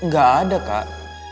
gak ada kak